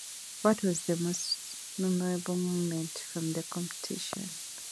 What was the most memorable moment from the competition?